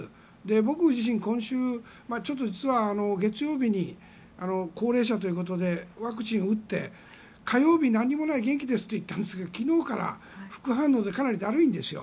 僕自身、今週ちょっと実は月曜日に高齢者ということでワクチンを打って火曜日、何もない元気ですと言ったんですが昨日から副反応でかなりだるいんですよ。